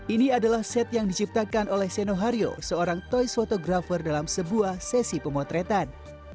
ini adalah set yang diciptakan oleh seno hario seorang toys fotografer dalam sebuah sesi pemotretan